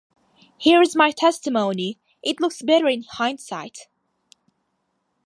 Here’s my testimony. It looks better in hindsight.